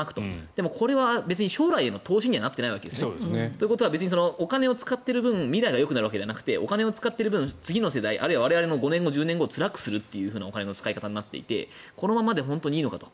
でもこれは別に将来の投資にはなっていないわけですね。ということは別にお金を使っている分未来がよくなるわけではなくお金を使っている分次の世代我々の５年後、１０年後をつらくするというお金の使い方をしていてこのままでいいのかと。